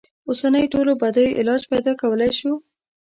اوسنیو ټولو بدیو علاج پیدا کولای شو.